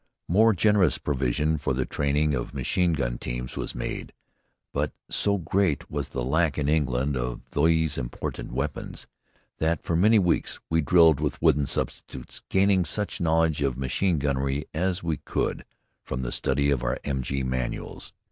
More generous provision for the training of machine gun teams was made, but so great was the lack in England of these important weapons, that for many weeks we drilled with wooden substitutes, gaining such knowledge of machine gunnery as we could from the study of our M.G. manuals.